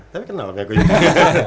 tapi kenal kan eko yuli